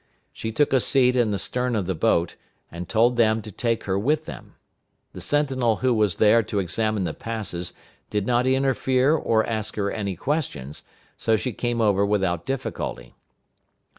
She took a seat in the stern of the boat, and told them to take her with them. The sentinel who was there to examine the passes did not interfere or ask her any questions, so she came over without difficulty.